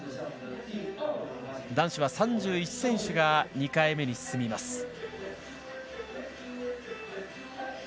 男子は３１選手が２回目に進みます。